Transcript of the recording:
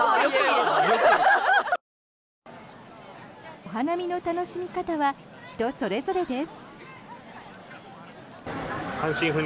お花見の楽しみ方は人それぞれです。